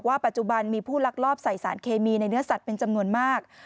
ปัจจุบันมีผู้ลักลอบใส่สารเคมีในเนื้อสัตว์เป็นจำนวนมาก